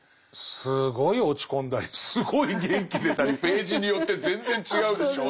すごい落ち込んだりすごい元気出たりページによって全然違うでしょうね。